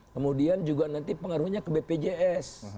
kemudian juga nanti pengaruhnya ke bpjs